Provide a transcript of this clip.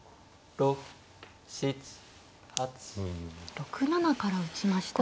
６七から打ちました。